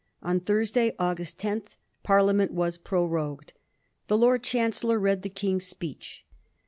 On Thursday, August 10, Parliament was prorogued. The Lord Chancellor read the King's speech.